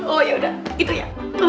oh ya udah gitu ya